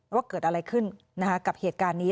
ว่าเกิดอะไรขึ้นกับเหตุการณ์นี้